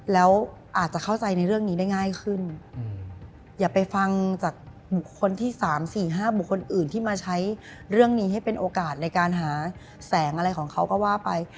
แล้วอาจจะเข้าใจในเรื่องนี้ได้ง่ายขึ้นอย่าไปฟังจากบุคคลที่๓๔๕บุคคลอื่นที่มาใช้เรื่องนี้ให้เป็นโอกาสในการหาแสงอะไรของเขาก็ว่าไป